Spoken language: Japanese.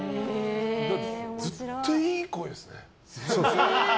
ずっといい声ですね。